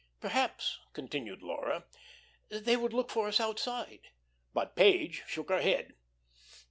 "Perhaps," continued Laura, "they would look for us outside." But Page shook her head.